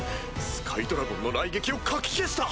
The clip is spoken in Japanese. スカイドラゴンの雷撃をかき消した！